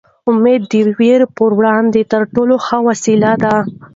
امېد د وېرې په وړاندې تر ټولو ښه وسله ده.